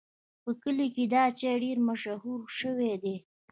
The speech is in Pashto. په کلي کې دا چای ډېر مشهور شوی دی.